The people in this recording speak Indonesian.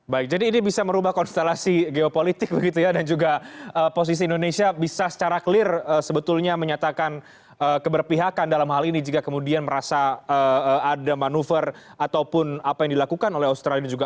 baik jadi ini bisa merubah konstelasi geopolitik begitu ya dan juga posisi indonesia bisa secara clear sebetulnya menyatakan keberpihakan dalam hal ini jika kemudian merasa ada manuver ataupun apa yang dilakukan oleh australia juga